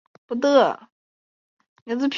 公学院还出版每位教授开幕演讲的全文。